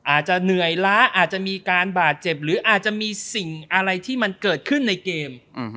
อาจจะเหนื่อยล้าอาจจะมีการบาดเจ็บหรืออาจจะมีสิ่งอะไรที่มันเกิดขึ้นในเกม